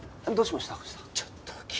どうしました？